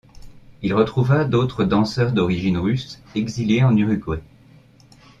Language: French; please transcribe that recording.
Il retrouvera d'autres danseurs d'origine russe exilés en Uruguay.